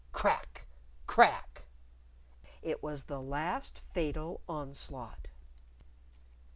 Crack! Crack! It was the last fatal onslaught.